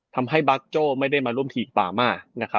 ทำให้บากโจ้ไม่ได้มาร่วมทีมปามา